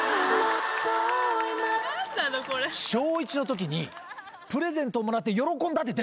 小１のときにプレゼントをもらって喜んだって出とる。